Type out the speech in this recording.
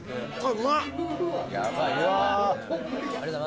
うまっ！